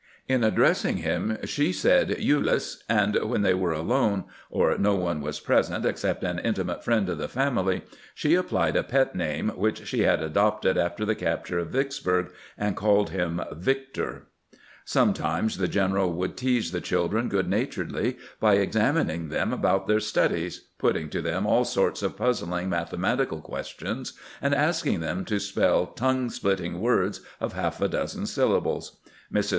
In addressing him she said " Ulyss," and when they were alone, or no one was present except an intimate friend of the family, she applied a pet name which she had adopted after the capture of Vicksburg, and called EELATIONS BETWEEN GRANT AND SHERMAN 285 him " Victor." Sometimes the general would tease the children good naturedly by examining them about their studies, putting to them aU sorts of puzzling mathe matical questions, and asking them to spell tongue split ting words of half a dozen syllables. Mrs.